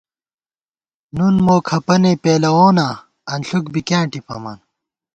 نُن مو کھپَنے پېلَووناں، انݪُک بی کیاں ٹِپَمان